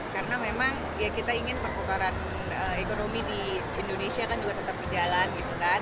karena memang ya kita ingin permukaran ekonomi di indonesia kan juga tetap di jalan gitu kan